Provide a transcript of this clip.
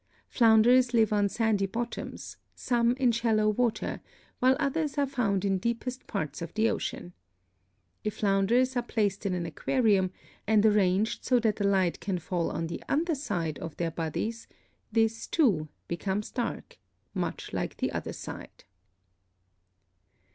Flounders live on sandy bottoms, some in shallow water, while others are found in deepest parts of the ocean. If flounders are placed in an aquarium and arranged so the light can fall on the under side of their bodies, this, too, becomes dark, much like the other side.